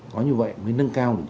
có như vậy mới nâng cao